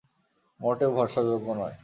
মোটেও ভরসা যোগ্য নয়।